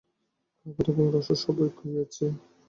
খাবার এবং রসদ সবই খুঁইয়েছি।